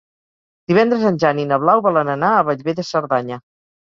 Divendres en Jan i na Blau volen anar a Bellver de Cerdanya.